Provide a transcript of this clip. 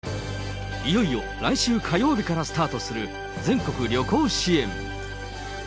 いよいよ来週火曜日からスタートする全国旅行支援。